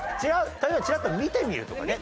例えばちらっと見てみるとかね。